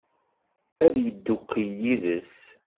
Ad yeddukel yid-s?